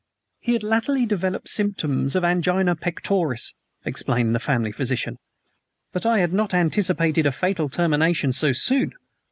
"He had latterly developed symptoms of angina pectoris," explained the family physician; "but I had not anticipated a fatal termination so soon.